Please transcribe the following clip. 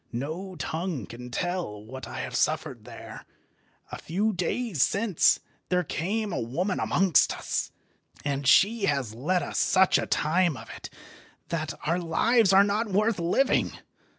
No tongue can tell what I have suffered there. A few days since there came a woman amongst us, and she has led us such a time of it that our lives are not worth living.